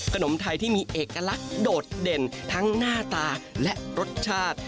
ขนมไทยที่มีเอกลักษณ์โดดเด่นทั้งหน้าตาและรสชาติ